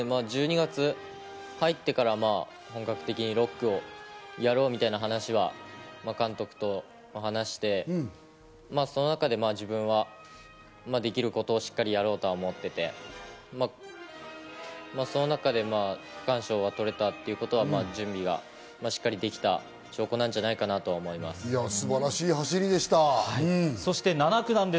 １２月に入ってから本格的に６区をやろうみたいな話は監督と話して、その中で自分はできることをしっかりやろうと思っていて、その中で区間賞は取れたということは準備がしっかりできた証拠なんじゃないかなと思います。